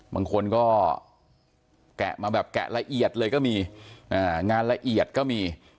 บางคนก็แกะมาแบบแกะละเอียดเลยก็มีงานละเอียดก็มี